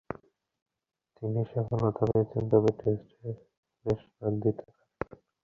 তিনি সফলতা পেয়েছেন তবে, টেস্টে বেশ রান দিতে থাকেন।